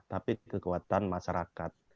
tapi kekuatan masyarakat